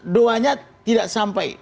doanya tidak sampai